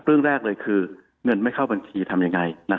เรื่องแรกเลยคือเงินไม่เข้าบัญชีทำยังไง